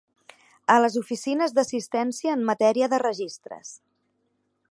A les oficines d'assistència en matèria de registres.